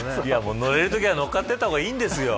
乗れるときは乗っかっていった方がいいんですよ。